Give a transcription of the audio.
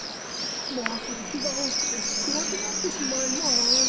もうすぐ日が落ちて暗くなってしまいます。